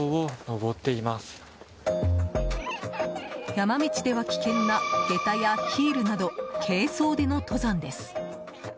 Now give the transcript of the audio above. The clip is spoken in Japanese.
山道では危険な、下駄やヒールなど軽装での登山です。